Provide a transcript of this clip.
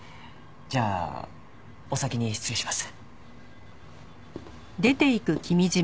じゃあお先に失礼します。